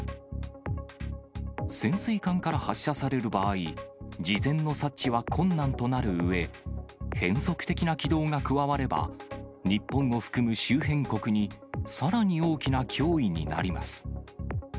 潜水艦から発射される場合、事前の察知は困難となるうえ、変則的な軌道が加われば、日本を含む周辺国にさらに大きな脅威になります。